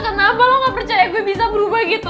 kenapa lo gak percaya aku bisa berubah gitu